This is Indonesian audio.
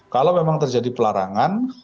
kalau memang terjadi pelarangan